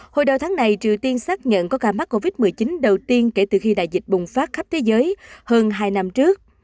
hồi đầu tháng này triều tiên xác nhận có ca mắc covid một mươi chín đầu tiên kể từ khi đại dịch bùng phát khắp thế giới hơn hai năm trước